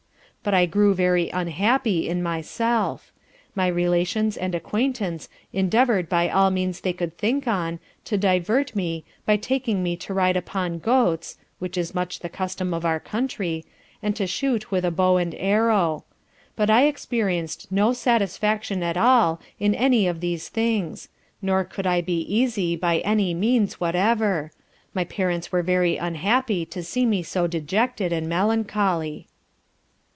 But I grew very unhappy in myself; my relations and acquaintance endeavoured by all the means they could think on, to divert me, by taking me to ride upon goats, (which is much the custom of our country) and to shoot with a bow and arrow; but I experienced no satisfaction at all in any of these things; nor could I be easy by any means whatever: my parents were very unhappy to see me so dejected and melancholy.